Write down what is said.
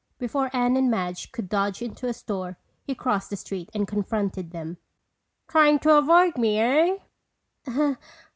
Before Anne and Madge could dodge into a store he crossed the street and confronted them. "Trying to avoid me, eh?"